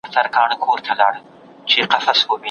ته باید ډیر سفر وکړې.